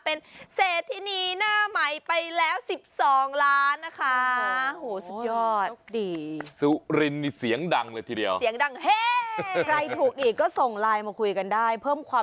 เป็นเศรษฐินีหน้าใหม่ไปแล้ว๑๒ล้านนะคะ